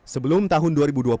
sebelum tahun dua ribu dua puluh